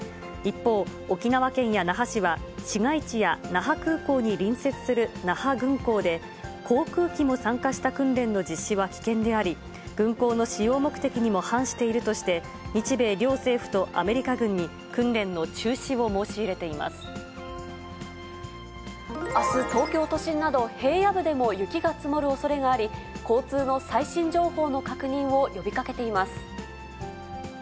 一方、沖縄県や那覇市は、市街地や那覇空港に隣接する那覇軍港で、航空機も参加した訓練の実施は危険であり、軍港の使用目的にも反しているとして、日米両政府とアメリカ軍に、訓練の中止を申し入あす、東京都心など、平野部でも雪が積もるおそれがあり、交通の最新情報の確認を呼びかけています。